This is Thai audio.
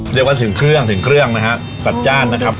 เรียกว่าถึงเครื่องถึงเครื่องนะฮะจัดจ้านนะครับ